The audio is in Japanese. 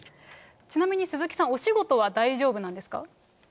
ちなみに鈴木さん、お仕事は大丈夫なんですか？